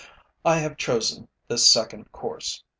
I have chosen this second course.